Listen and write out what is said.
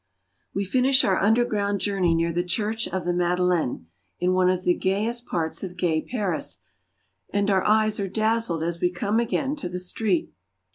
We finish our underground journey near the church of the Madeleine, in one of the gayest parts of gay Paris, and our eyes are dazzled as we come again to the street.